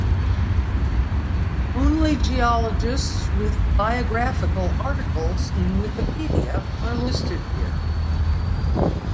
Only geologists with biographical articles in Wikipedia are listed here.